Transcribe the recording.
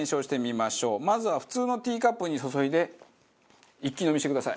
まずは普通のティーカップに注いで一気飲みしてください。